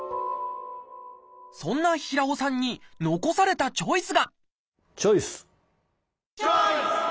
そんな平尾さんに残されたチョイスがチョイス！